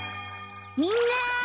みんな！